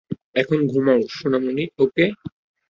এখন ঘুমাও, সোনামণি ওকে?